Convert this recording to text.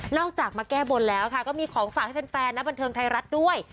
จากมาแก้บนแล้วค่ะก็มีของฝากให้แฟนและบันเทิงไทยรัฐด้วย